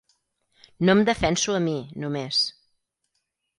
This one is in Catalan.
No em defenso a mi, només.